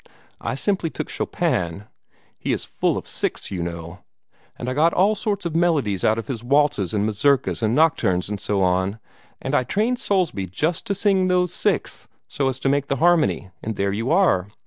I simply took Chopin he is full of sixths, you know and I got all sorts of melodies out of his waltzes and mazurkas and nocturnes and so on, and I trained Soulsby just to sing those sixths so as to make the harmony, and there you are.